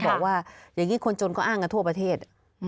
บอกว่าอย่างนี้คนจนก็อ้างกันทั่วประเทศ